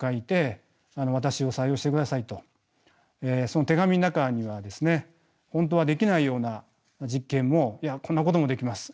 その手紙の中にはですね本当はできないような実験もいやこんなこともできます